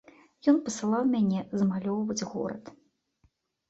Ён пасылаў мяне замалёўваць горад.